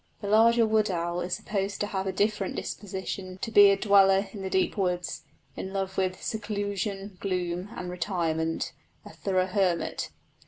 The larger wood owl is supposed to have a different disposition, to be a dweller in deep woods, in love with "seclusion, gloom, and retirement," a thorough hermit.